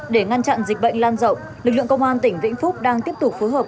để ngăn chặn dịch bệnh lan rộng lực lượng công an tỉnh vĩnh phúc đang tiếp tục phối hợp